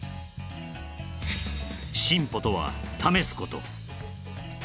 「進歩とは試すこと」